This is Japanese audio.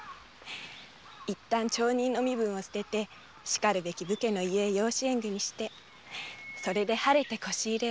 町人の身分を捨ててしかるべき武家へ養子縁組してそれで晴れて輿入れを。